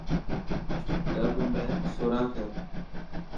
ٽب ۾ سوراک هي.